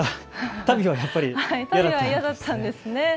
足袋はやっぱり嫌だったんですね。